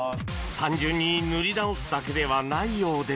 単純に塗り直すだけではないようです。